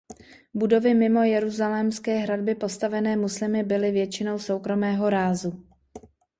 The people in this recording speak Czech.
Budovy mimo jeruzalémské hradby postavené muslimy byly většinou soukromého rázu.